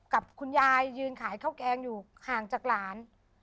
กับคุณยายยืนขายข้าวแกงอยู่ห่างจากหลาน